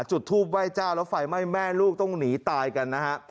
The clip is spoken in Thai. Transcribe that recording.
จุดทูปไหว้เจ้าแล้วไฟไหม้แม่ลูกต้องหนีตายกันนะฮะ